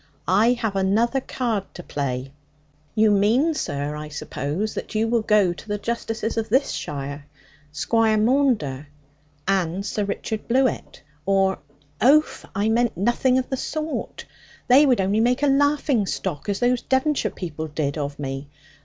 I have another card to play.' 'You mean, sir, I suppose, that you will go to the justices of this shire, Squire Maunder, or Sir Richard Blewitt, or ' 'Oaf, I mean nothing of the sort; they would only make a laughing stock, as those Devonshire people did, of me.